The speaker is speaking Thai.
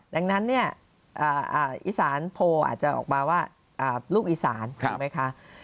ดังนั้นเนี่ยอีสานโพลอาจจะออกมาว่าลูกอีสานถูกไหมคะ